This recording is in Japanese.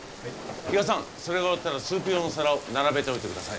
比嘉さんそれが終わったらスープ用の皿を並べておいてください。